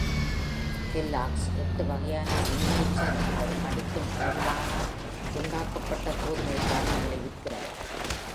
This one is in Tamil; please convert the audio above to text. கெல்லாக்ஸ் எட்டு வகையான மினியேச்சர் அல்லது கடிக்கும் அளவிலான, துண்டாக்கப்பட்ட கோதுமை தானியங்களை விற்கிறார்.